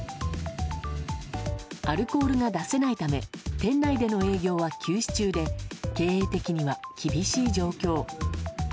アルコールが出せないため店内での営業は休止中で経営的には厳しい状況。